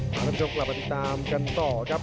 มารับยกรับติดตามกันต่อครับ